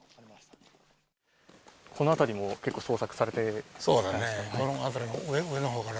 この辺りも結構捜索されてたんですか？